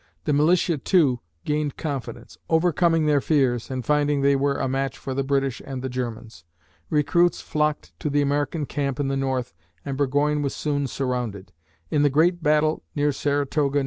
The militia, too, gained confidence, overcoming their fears and finding they were a match for the British and the Germans. Recruits flocked to the American camp in the North and Burgoyne was soon surrounded. In the great battle near Saratoga (N.